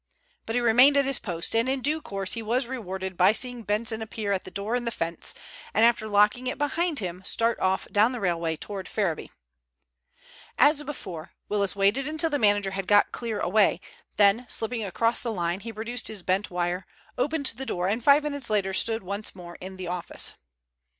But he remained at his post, and in due course he was rewarded by seeing Benson appear at the door in the fence, and after locking it behind him, start off down the railway towards Ferriby. As before, Willis waited until the manager had got clear away, then slipping across the line, he produced his bent wire, opened the door, and five minutes later stood once more in the office.